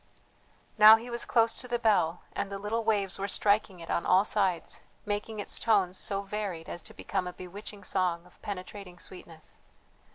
Now he was close to the bell, and the little waves were striking it on all sides, making its tones so varied as to become a bewitching song of penetrating sweetness.